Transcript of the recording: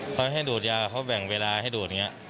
เขาให้ดูดยาเขาแบ่งเวลาให้ดูดอย่างนี้